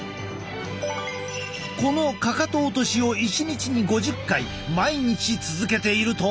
このかかと落としを１日に５０回毎日続けていると。